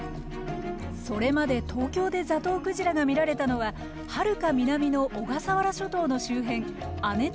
それまで東京でザトウクジラが見られたのははるか南の小笠原諸島の周辺亜熱帯の海だけでした。